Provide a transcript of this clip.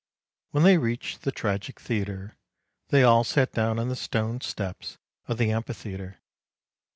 When they reached the tragic theatre, they all sat down on the stone steps of the amphitheatre.